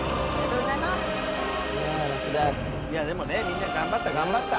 いやでもねみんな頑張った頑張った。